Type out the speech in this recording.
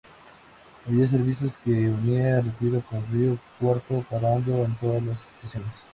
Había servicios que unía Retiro con Río Cuarto parando en todas las estaciones.